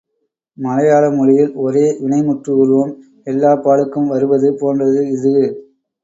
மலையாள மொழியில் ஒரே வினைமுற்று உருவம் எல்லாப் பாலுக்கும் வருவது போன்றது இது.